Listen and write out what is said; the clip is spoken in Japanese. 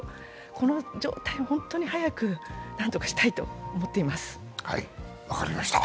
この状態を本当になんとかしたいと思っています。